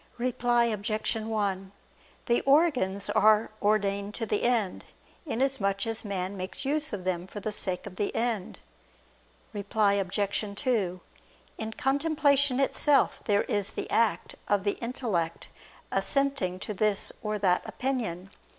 Reply Obj. 1: The organs are ordained to the end, inasmuch as man makes use of them for the sake of the end. Reply Obj. 2: In contemplation itself there is the act of the intellect assenting to this or that opinion.